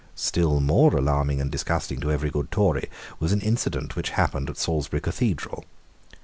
Still more alarming and disgusting to every good Tory was an incident which happened at Salisbury Cathedral.